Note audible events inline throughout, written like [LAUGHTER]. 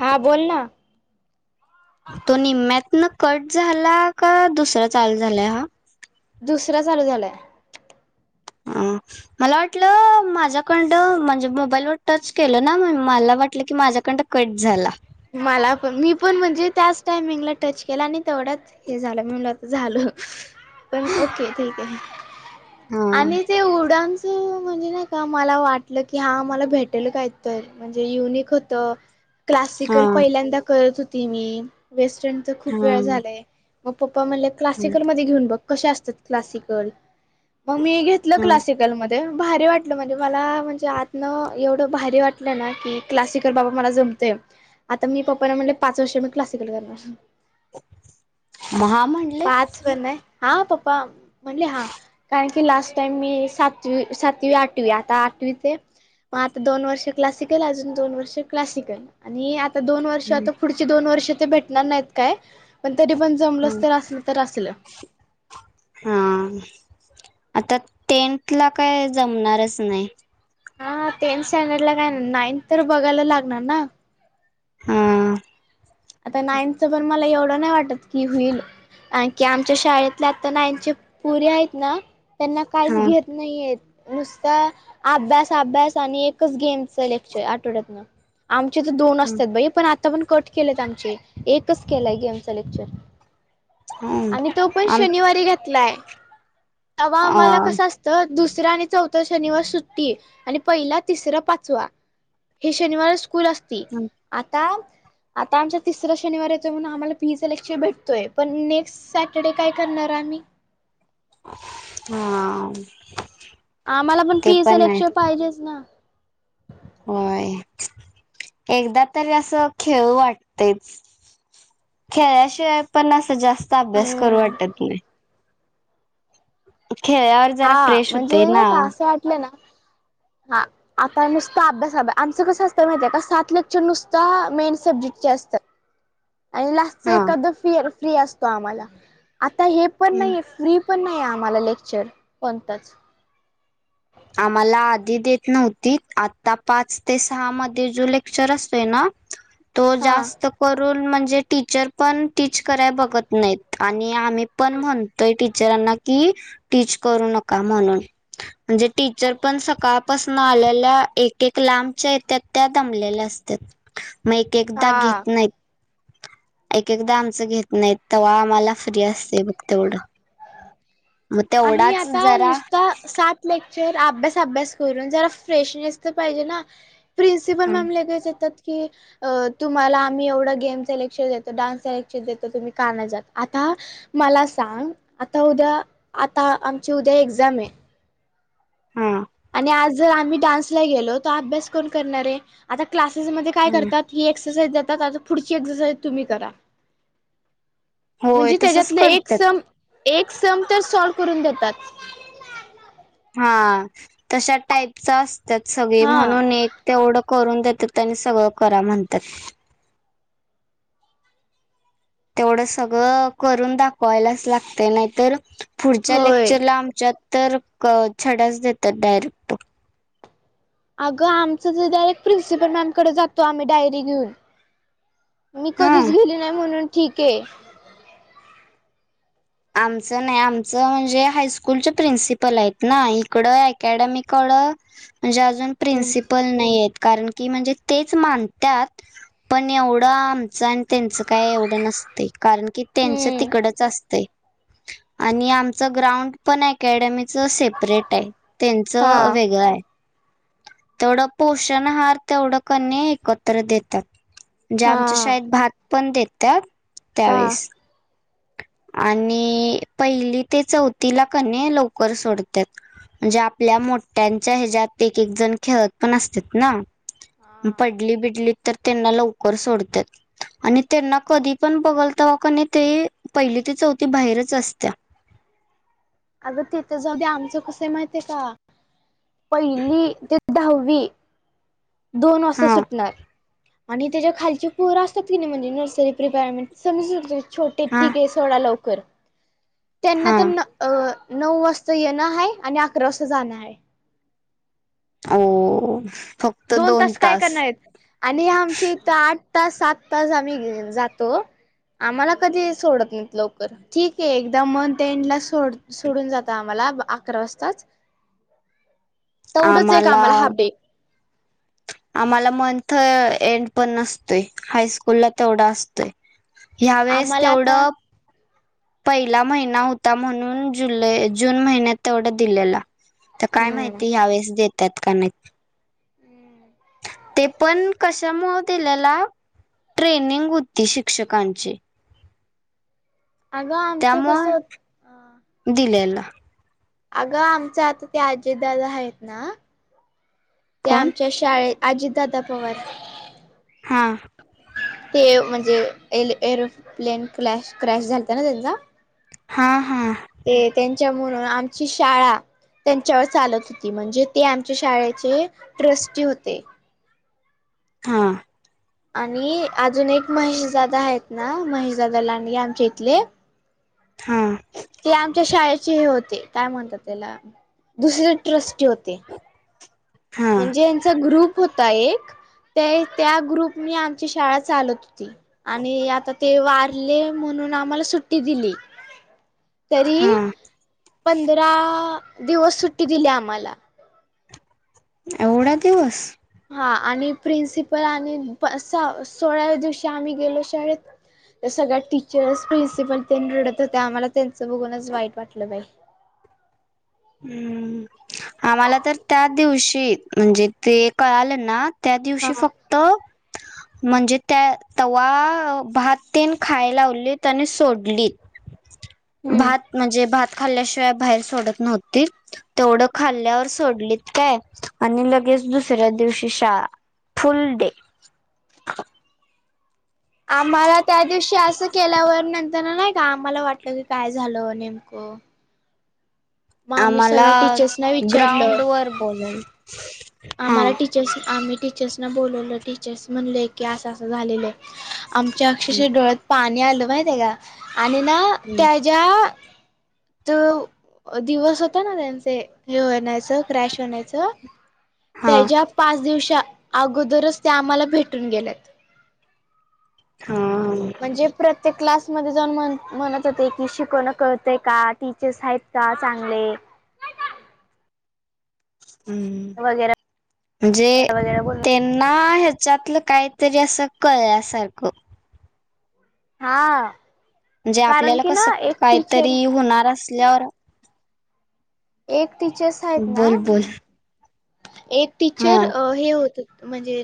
हा बोल ना तो निम्म्यातन कट झाला का दुसरा चाल झालाय हा दुसरं चालू झालाय अ [INAUDIBLE] मला वाटलं माझ्याकडडं म्हणजे मोबाईलवर टर्च केलं ना मला वाटलं की माझ्याकडं कट झाला मला पण मी पण म्हणजे त्याच टायमिंगला टच केला आणि तेवढंच हे झालं मीला आ झालं पण ओके ठीक आहे हा आणि ते उडानच म्हणजे ना मला वाटलं की हा मला भेटल कात म्हणजे युनिक होत क्लास हा पहिल्यांदा करत होती मी वेस्टर्न तर खूप हा वेळ झालाय मग पप्पा म्हण,, क्सिकलेन ब क क् मी क्. हा ल मध्ये भारी वाटलं म्हणजे मला म्हणजे आतनं,, एवढं भारी वाटलं ना की क्लासिकल बाबा मला जमतेय. आता मी पप्पाना म्हटले पाच वर्ष म क्लासिकल करणार. महा म्हणले, ब आहे हा पप्पा म्हणले हा कार लास्ट टाईम मी सात सातवी आठवी आता आठवी मग आता दोन वर्ष क्लासिकल अजून दोन वर्ष क्लासिकल आणि आता दोन वर्ष आता पुढ दोन वर्ष ते भेटणार नाहीत काय पण तरी पण जमल तर असल तर असल. हा आता टेंट ला काय जमणारच नाही. हा टेन्थ स्टँडर्ड ला काय ना नाइनथ तर बघायला लागणार ना. हां. आता नाईनथच पण मला एवढं नाही वाटत की होईल ना,, कि आमच्या शाळेतले आता नांचे पुरीे आहेत ना त्यांना काहीच हा घेत नाहीयेत. नुसत अभ्यास अभ्यास आणि एकच गेमच लेक्चर आठवड्यात ना. आमचे तर दोन असतात भाई पण आता पण कट केलेत आमचे एकच केलाय गेमचा लेक्चर. ह आणि तो पण आम शनिवारी घेतलाय तवा हा आम्हाला कसा असत. तर दुसरा आणि चौथा शनिवार सुट्टी आणि पहिला तिसरा पाचवा. हे शनिवार स्कूल असते आता आता आमचा तिसरा शनिवार येतो म्हणून आम्हाला पीईच लक्क्षर भेटतोय पण नेक्स्ट सॅटरडे काय करणार आहे आम्ही. ह.. आम्हाला पण पीसलक्क्षर पाहिजेच ना. होय एकदा तरी असं खेळ वाटतेच. खेळाशिवाय पण अस जास्त अभ्यास करू हम्म वाटत नाही. खेळवर जरा फ्रेश होते ना. अस वाटलं ना, हा. आता नुसता अभ्यास आमचं कसं असतं माहिती आहे का सात क्चर नुसता मेन सब्जेक्टचे असतात. आणि लास्टच हा. एखाद फ फ्री असतो आम्हाला आता हे पण हम्म. नाही फ्री,, पण नाही आम्हाला लेक्चर कोणताच. आम्हाला आधी देत नव्हती आता पाच ते सहा मध्ये जो लेक्चर असतोय ना तो हा जास्त करून म्हणजे टीचर पण टीच कराय बघत नाहीत. आणि आम्ही पण म्हणतोय टीचरांना की टीच करू नका म्हणून. म्हणजे टीचर पण सकाळपासून आलेल्या एक एक लांबच्याहत्यात त्या दमलेल्या असत. मग एक एकदा हा घेत नाही. एक एकदा आमचं घेत नाहीत तवा आम्हाला फ्री असते बघ तेवढं. मग आणि तेवढाच आता जरा नुसता सात लेक्चर अभ्यास अभ्यास करून जरा फ्रेश नस तर पाहिजे ना. प्रिन्सिपल मॅम ललेगेच येतात की, अ तुम्हाला आम्ही एवढं गेम सलेक्शन देतो डान्स सलेक्शन देतो तुम्ही काना जात आता,, मला सांग आता उद्या आता आमची उद्या एक्झाम आहे. हा. आणि आज जर आम्ही डान्सला गेलो तर अभ्यास कोण करणार आहे आता क्लासेसमध्येध्ये काय करतात,, ही एक्सरसाइज देतातता पुढची एक्सरसाईज तुम्ही करा. होय म्हणजे तसच त्याच्यातलं एक करतात सम एक सम तर सॉल्व करून देतात. हा तशा टाईपच असतात सगळे हा म्हणून एक तेवढं करून देतात त्यांनी सगळं करा म्हणतात. तेवढं सगळं करून दाखवायलाच लागत नाहीतर पुढच्या होय लेक्चरला आमच्यात तर छडाच देतात डायरेक्ट अगं आमचं डायरेक्ट प्रिनसिपलॅमकडे जातो आम्ही डायरी घेऊन मी हा कधीच गेली नाही म्हणून ठीक आहे आमचं नाही आमचं म्हणजे हायस्कूलचे प्रिन्सिपल आहेत ना इकडं अकॅडमीकडं म्ह जाजून हम्म प्रन्सिपल नाही कारण की म्हणजे तेच मानतात पण एवढं आणि त्यांच काय एवढं नसते कारण की त्यांच तिकडच असते आणि आमचं ग्राउंड पण अकॅडमीच सेपरेट आहे हा त्यांचं वेगळं आहे तेवढं पोषण आहार तेवढं कन एकत्र देतात म्हणजे आमच्या हा शाळेत भात प ते त्या हा. त्यावीस आणि पहिली ते चौथीला कने लवकर सोडतात म्हणजे आपल्या मोठ्यांच्या ह्याच्या्यात एक एक जण खेळत पण असत ना पडली बिडली तर त्यांना लवकर सोडतात आणि त्यांना कधी पण बघलताव का नाही ते पहिली ते चौथी बाहेरच असत्या अगं तिथे जाऊ आमचं कस माहित आहे का पहिली ते दहावी दोन वाषता हा सुटणार आणि त्याच्या खालचे पोर असतात कि नाही म्हणजे नर्सरी प्रिपेरमेंट समज छोटे हा ठीके थोडा लवकर त्यांना हा तर. अ नऊ वाजता येणं आहे आणि अकरा वाजता जाणं आहे. अ. दोन तास काय करणार य आणि आमची इथ आठ. स तास सात तास आम्ही जातो. आम्हाला कधी सोडत नाहीत लवकर ठीक आहे एकदा मंथ एंड ला सोड. सोडून जात आम्हाला अकरा वाजताच तेवढंच एक आम्हाला हाफ डे. आम्हाला मंथ एंड पण नसतोय हायस्कूलला तेवढा असतोय. ह्या वेळेस आम्हाला आता तेवढं. पहिला महिना होता म्हणून जुलै जून महिन्यात तेवढा दिलेला. तर काय हम्म माहिती ह्या वेळेस देतात का नाही. हम्म. ते पण कशा म दिल्याला. ट्रेनिंग होती शिक्षकांची [UNINTELLIGIBLE] आमचं त्यामुं कसं दिलेला अगं आमच आता ते आजीदाादा आहेत ना ते कोण आमच्या शाळे अजितदाादा पवार. हां. ते म्हणजे ए एरोप्लेन क्लॅश क्रॅश झालत ना त्यांचा. हा हा. ते त्यांच्या म्हणून आमची शाळा. त्यांच्यावर चालत होती म्हणजे ते आमच्या शाळेचे ट्रस्टी होते. हा. आणि अजून एक महेशजादा आहेत ना महेशजादा लांडगे आमच्या इथले. हा. ते आमच्या शाळेचे हे होते काय म्हणतात त्याला दुसरी ट्रस्टी होते. हा म्हणजे यांचा ग्रुप होता एक ते त्या ग्रुप मी आमची शाळा चालत होती. आणि आता ते वारले म्हणून आम्हाला सुट्टी दिली. हा तरी पंधरा दिवस सुट्टी दिली आम्हाला. एवढा दिवस. हा आणि प्रिन्सिपल आणि सोळा्व्या दिवशी आम्ही गेलो शाळेत, तर सगळ्या टीचर्स प्रिन्सिपल तेन रडत होत्या आम्हाला त्यांचं बघूनच वाईट वाटलं बाई. हम्, आम्हाला तर त्या दिवशी म्हणजे ते कळाल ना, त्या दिवशी फ [UNINTELLIGIBLE] म्हणजे त्या तव्हा भात तेन खायलावलीत आणि सोडली [UNINTELLIGIBLE] हम्म भात म्हणजे भात खाल्ल्याशिवाय बाहेर सोडत नव्हतीत. तेवढं खाल्ल्यावर सोडलीत काय आणि लगेच दुस दुसऱ्या दिवशी शळा फुल डे. आम्हाला त्या दिवशी असं केल्यावर नंतर नाही का आम्हाला वाटलं की काय झालं नेमकं? मग आम्ही आम्हाला सगळ्या टीचर्सना विचारलं ग्राउंड वर बोलाल आम्हाला टीचर्स आम्ही टीचर्सना बोलवलं टीचर्स म्हणले, की असं असं झालेलं आमच्या अक्षरश डोळ्यात पाणी आलं माहि त्या का आणि ना त्याच्या तर दिवस होता ना त्यांचे हे होण्याचं क्रॅश होण्याचं, हा त्याच्या पाच दिवसा अगोदरच त्या आम्हाला भेटून गेल्यात. हा हा म्हणजे प्रत त्या क्लासमध्ये जाऊन म्हण म्हणत होते की शिकवणं कळतं का? टीचर्स आहेत का चांगले? हम्, वगैरे म्हणजे वगैरे बोल ते ना ह्याच्यातलं काहीतरी असं कळल्यासारखं हा म्हणजे कारण आपल्याला की कसं ना एक टीचर काहीतरी होणार असल्यावर एक टीचर्स आहेत ना, बोल बोल एक हा टीचर हे होत, म्हणजे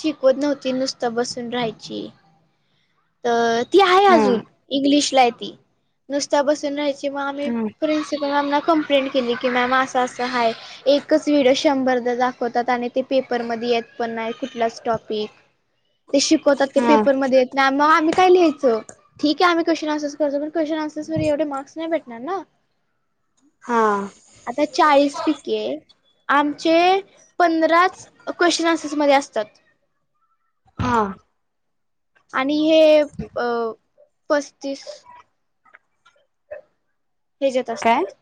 शिकवत नव्हती नुसत बसून राहायची, तर ती आहे हा अजून इंग्लिश लाय ती नुसता बसून राहायची मग आम्ही हा प्रिं्सिपल मॅमना कंप्लें केली की मॅम असं असं हाय एकच व्हिडिओ शंभर द दाखवतात आणि ते पेपरमध्ये येत पण नाही कुठलाच टॉपिक, ते शिकवतात ते हा पेपरमध्ये मग आम्ही काय लिहायचं? ठीक आहे आम् क्वे्शन्स करो पण क्वेशन्सवरवे मार्क् नाही भेटणार ना. हा आता चाळीस पिके आमचे पंधराच क्वेश्चन आन्सर्समध्येध्ये असतात. हा. आणि हे अ पस्तीस हेज्यात काय असतात.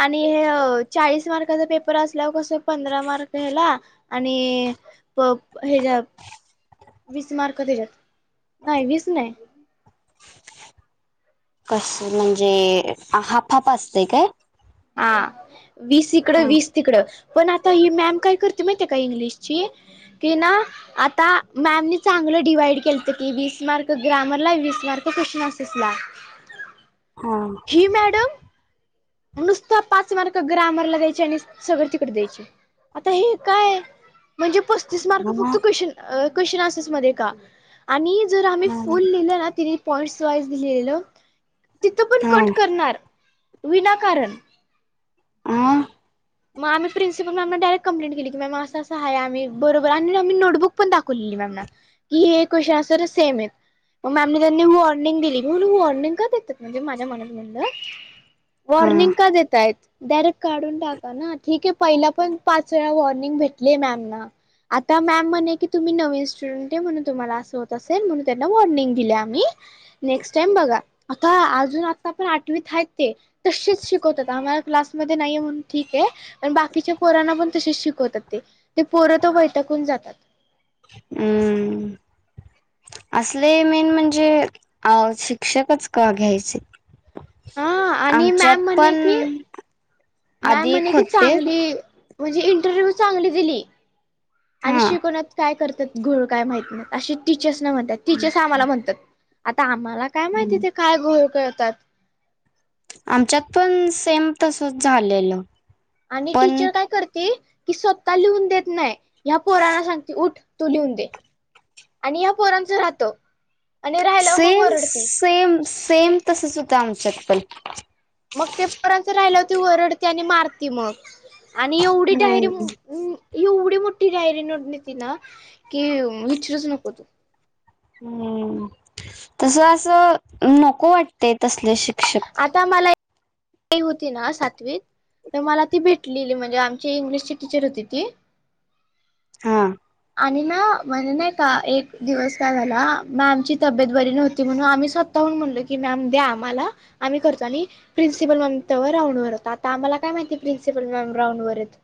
आणि हे चाळीस मार्काचा पेपर असलावर कस पंधरा मार्क ह्याला आणि प हेच्या वीस मार्क दिच्यात नाही, वीस नाही, कस म्हणजे हाप हाप असतय काय? हा वीस, इकडे हा वीस तिकडं पण आता ही मॅम काय करते माहिती का इंग्लिशची, की ना आता मॅमने चांगलं डिवाइड केलं की वीस मार्क ग्रॅमरला वीस मार्क क्वेश्चन असेसला हां नुसतं पाच मार्क ग्रामरला द्यायचे आणि सगळे तिकडे द्यायचे. आता हे काय म्हणजे पस्तीस मार्क हा फक्त क्न क्वेशन आसेस मध्ये का? आणि जर आम्ही हा फुल लिहिललं ना तिने पॉइंट्स वाईज लिहिलेलं, तिथं पण कट हा करणार विनाकारण, आं मगम्ही प्रन्सिल मॅम डयरेट कंपलें केली क मॅम असं आहे आम्ही बरोबर आणि आ् नटबुक पण दाखवली म की हे एक क्वेन अस सेम आहेत मग मॅमने त्यांनी वॉर्निंग दिली म्हणून वॉर्निंग का देतात म्हणजे माझ्या मनात म्हणलं हा वॉर्निंग का दताय आहेत डायरेक्ट काढून टाका ना ठीक आहे पहिला पण पाच वेळा वॉर्निंग भेटलीय मॅम ना आता मॅम म्हणे की तुम्ही नवीन स्टुडंट आहे म्हणून तुम्हाला असं होत असेल म्हणून त्यांना वॉर्निंग दिले आम्ही नेक्स्ट टाइम बघा आता अजून आता पण आठवीत ते तशीच शिकवतात आम्हाला क्लासमध्ये नाहीये म्हणून ठीक आहे प बाकीच्या पोरांना पण तसेच शिकवतात ते ते पोरं तर बैठकून जातात हम्म असले मेन म्हणजे अ शिक्षकच का घ्यायचे हा आणि आमच्यात मॅम म्हणे पण कि मॅम आधी एक म्हणे कि होते चांगली म्हणजे इंटरव्ह्यू चांगली दिली आणि हा शिकवण्यात काय करतात घो काय माह नाही असे टीचर्स न म्हणतात टीचर्स आम्हाला म्हणतात आता आम्हाला काय माहिती ते काय घोळ करळतात आमच्यात पण सेम तसच झालेलं आणि पण टीचर काय करते की स्वतः लिहून देत नाही ह्या पोरांना सांगते उठ तू लिहून दे आणि या्या पोरांचं राहतो सेम सेम सेम तसच उतम चप्पल मग ते पर्यंत राहिले होती ओरडते आणि मारती मग आणि एवढे हम्म यरम् एवढी मोठी डायरी नोडली ती ना की विचरूच नको तू हम्म तस असं नको वाटतेय तसले शिक्षक आता मला का होती ना सातवीत तर मला ती भेटलेली म्हणजे आमची इंग्लिशची टीचर होती ती [INAUDIBLE] हां आणि ना म्हणे नाही का एक दिवस काय झाला मग आमची तब्येत बरी नव्हती म्हणून आम्ही स्वत म्ह क मम्याला आम्ही कर प्र प्रिनसिपल मॅम त रांडर हो आम्हाला काय माहिती प्रिनसिपल मॅम रांडवररेत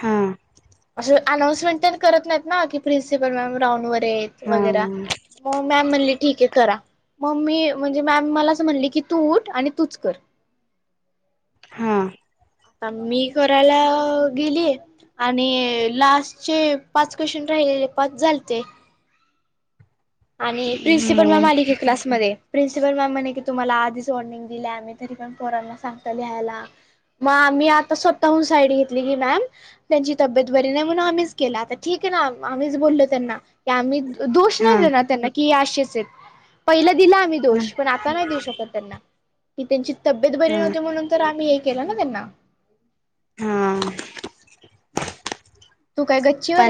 हा असं अनाऊन्समेंट करत नाहीत ना की प्रिन्सिपल मॅम राहवर हा वग मग मॅम म्हणली ठीक आहे करा मम्मी म्हणजे मॅम मला असं म्हणले की तू उट आणि तुचकर हा आता मी करायला गेलीय आणि लास्ट चे पाच क्वेशन राहिलेले पाच झालते आणि प्रिन्सिपल मॅम आली की क्लासमध्ये प्रिनसिपल मॅम म्हणे क तुम्हाला आधीच ड दि आम्ही तरी पण पोरांना सांगता लिहायला मग मी आता स्वतःहून साईड घेतली की मॅम त्यांची तब्येत बरी नाही म्हणून आम्हीच केला आता ठीक आहे ना आम्हीच बोललो त्यांना आम्ही दोष हा नाही देणार त्यांना की असेच आहेत पहिला दिला आम्ही दोष पण आता नाही देऊ शकत त्यांना की त्यांची तब्येत बरी हा नव्हती म्हणून तर आम्ही हे केलं ना त्यांना हा तू काय गच्चीवर आहे पण